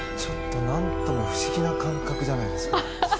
なんとも不思議な感覚じゃないですか。